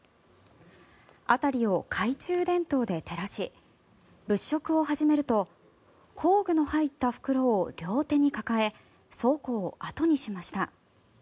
辺りを懐中電灯で照らし物色を始めると工具の入った袋を両手に抱え倉庫を後にしました。